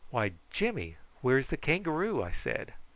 "Why, Jimmy; where's the kangaroo?" I said.